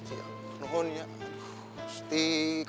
ayah kenapa kenapa lihat pak